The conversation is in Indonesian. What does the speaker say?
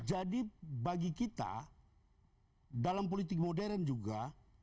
jadi bagi kita dalam politik modern juga